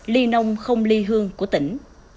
ly nông không ly hương của tỉnh